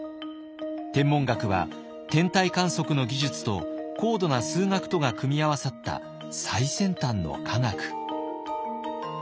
天文学は天体観測の技術と高度な数学とが組み合わさった最先端の科学。